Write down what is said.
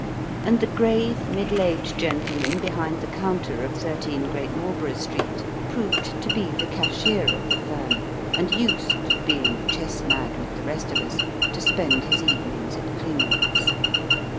And the grave, middle aged gentleman behind the counter of 1 3 Great Marlborough Street, proved to be the cashier of the firm, and used being chess mad with the rest of us to spend his evenings at Kling s.